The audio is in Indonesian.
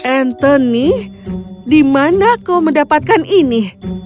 anthony di mana kau mendapatkan ini